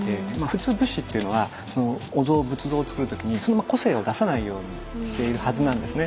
普通仏師っていうのはお像仏像をつくる時に個性を出さないようにしているはずなんですね。